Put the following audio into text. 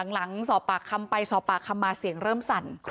หลังสอบปากคำไปสอบปากคำมาเสียงเริ่มสั่น